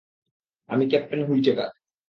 আমি captain Whitaker.